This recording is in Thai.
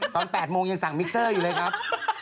ตอน๘โมงยังสั่งมิกเซอร์อยู่เลยครับ